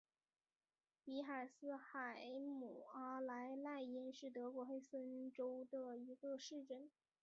比贝斯海姆阿姆赖因是德国黑森州的一个市镇。